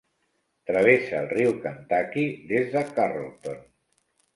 Travessa el riu Kentucky des de Carrollton.